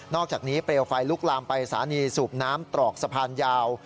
อกจากนี้เปลวไฟลุกลามไปสถานีสูบน้ำตรอกสะพานยาว